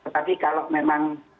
tapi kalau memang